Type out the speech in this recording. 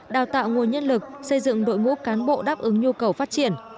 đào tạo nguồn nhân lực xây dựng đội ngũ cán bộ đáp ứng nhu cầu phát triển